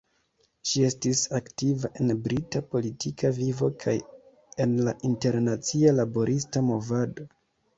Ŝi estis aktiva en brita politika vivo kaj en la internacia laborista movado.